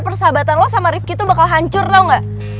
persahabatan lu sama rifki tuh bakal hancur tau gak